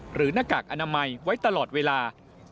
หน้ากากอนามัยไว้ตลอดเวลา